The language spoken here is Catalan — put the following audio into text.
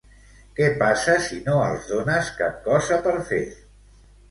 Què passa si no els dones cap cosa per fer?